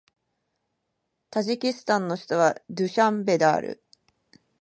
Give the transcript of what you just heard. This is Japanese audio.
タジキスタンの首都はドゥシャンベである